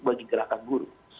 bagi gerakan guru